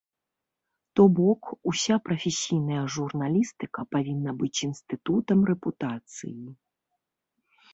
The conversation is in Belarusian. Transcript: То бок, уся прафесійная журналістыка павінна быць інстытутам рэпутацыі.